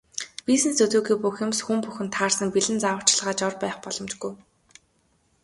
Бизнес төдийгүй бүх юмс, хүн бүхэнд таарсан бэлэн зааварчилгаа, жор байх боломжгүй.